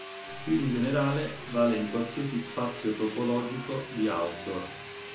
Più in generale, vale in qualsiasi spazio topologico di Hausdorff.